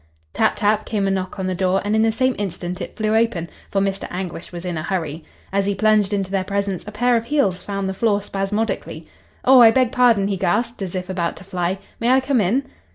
Tap, tap! came a knock on the door, and in the same instant it flew open, for Mr. Anguish was in a hurry. As he plunged into their presence a pair of heels found the floor spasmodically. "Oh, I beg pardon!" he gasped, as if about to fly. "May I come in?"